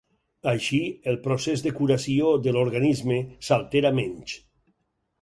Així, el procés de curació de l'organisme s'altera menys.